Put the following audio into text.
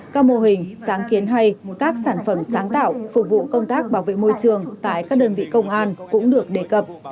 các mô hình sáng kiến hay các sản phẩm sáng tạo phục vụ công tác bảo vệ môi trường tại các đơn vị công an cũng được đề cập